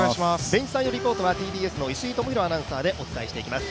ベンチサポーターはＴＢＳの石井大裕アナウンサーでお届けします。